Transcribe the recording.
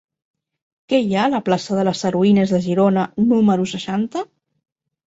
Què hi ha a la plaça de les Heroïnes de Girona número seixanta?